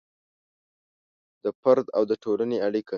د فرد او د ټولنې اړیکه